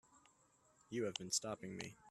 You have been stopping me.